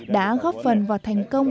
đã góp phần vào thành công